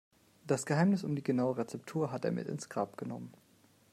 Das Geheimnis um die genaue Rezeptur hat er mit ins Grab genommen.